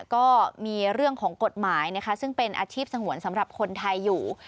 ก็มีเรื่องของกฎหมายนะคะซึ่งเป็นอาชีพสงวนสำหรับคนไทยอยู่